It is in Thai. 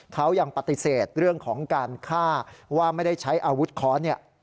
เขายังปฏิเสธเรื่องของการฆ่าว่าไม่ได้ใช้อาวุธค้อนเนี่ย